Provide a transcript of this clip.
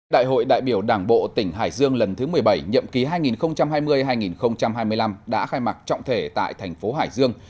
đại hội đại biểu đảng bộ tỉnh hải dương lần thứ một mươi bảy nhậm ký hai nghìn hai mươi hai nghìn hai mươi năm đã khai mạc trọng thể tại thành phố hải dương